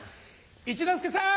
一之輔さん！